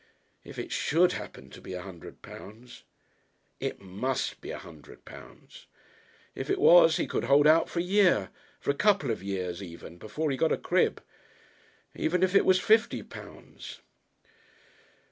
If it should happen to be a hundred pounds! It must be a hundred pounds! If it was he could hold out for a year, for a couple of years even, before he got a Crib. Even if it was fifty pounds